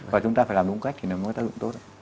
và chúng ta phải làm đúng cách thì nó mới tác dụng tốt